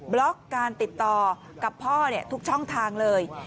ล็อกการติดต่อกับพ่อทุกช่องทางเลย